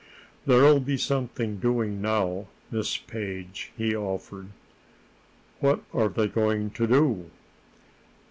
"There'll be something doing now, Miss Page," he offered. "What are they going to do?"